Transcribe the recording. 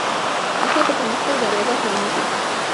استاد د پرمختګ دروازې پرانیزي.